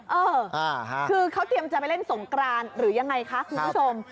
เออคือเขาเตรียมจะไปเล่นสงกรานหรือยังไงคะคุณผู้ชม